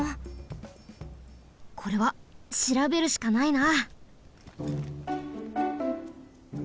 これはしらべるしかないな！